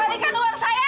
kembalikan uang saya